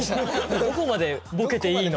「どこまでボケていいの？」